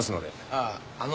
あああの。